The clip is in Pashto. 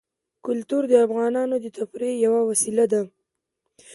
کلتور د افغانانو د تفریح یوه وسیله ده.